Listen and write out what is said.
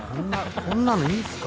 こんなのいいんすか。